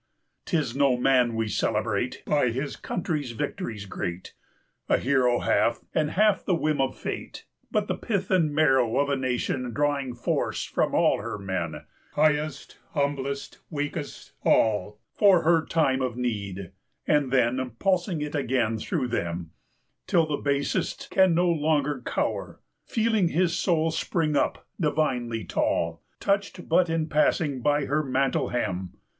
'Tis no Man we celebrate, By his country's victories great, 365 A hero half, and half the whim of Fate, But the pith and marrow of a Nation Drawing force from all her men, Highest, humblest, weakest, all, For her time of need, and then 370 Pulsing it again through them, Till the basest can no longer cower, Feeling his soul spring up divinely tall, Touched but in passing by her mantle hem.